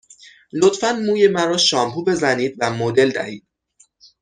لطفاً موی مرا شامپو بزنید و مدل دهید.